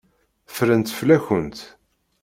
Ffrent fell-akent.